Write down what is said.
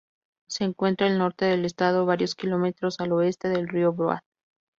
Se encuentra al norte del estado, varios kilómetros al oeste del río Broad.